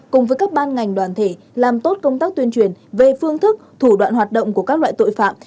cùng với các ban ngành đoàn thể làm tốt công tác tuyên truyền về phương thức thủ đoạn hoạt động của các loại tội phạm